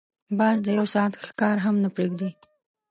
باز د یو ساعت ښکار هم نه پریږدي